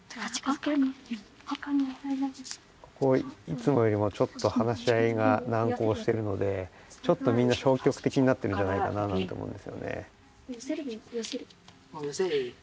いつもよりもちょっと話し合いがなんこうしているのでちょっとみんなしょうきょくてきになってるんじゃないかななんて思うんですよね。